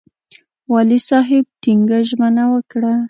والي صاحب ټینګه ژمنه وکړه.